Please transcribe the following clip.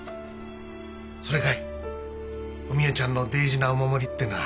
それかいお美代ちゃんの大事なお守りってのは。